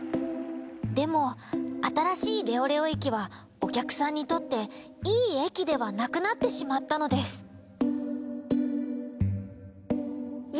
でもあたらしいレオレオえきはおきゃくさんにとっていいえきではなくなってしまったのですや